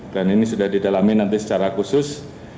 dan ini sudah didalami nanti secara khusus